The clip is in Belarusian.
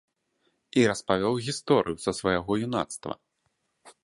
І распавёў гісторыю са свайго юнацтва.